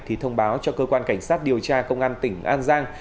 thì thông báo cho cơ quan cảnh sát điều tra công an tỉnh an giang